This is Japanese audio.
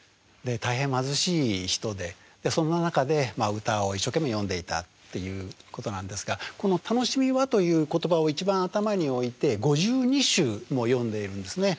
大変貧しい人でそんな中で歌を一生懸命詠んでいたっていうことなんですがこの「たのしみは」という言葉を一番頭に置いて５２首も詠んでいるんですね。